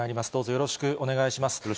よろしくお願いします。